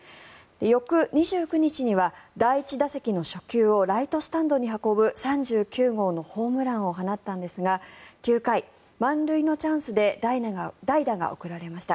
翌２９日には第１打席の初球をライトスタンドに運ぶ３９号のホームランを放ったんですが９回、満塁のチャンスで代打が送られました。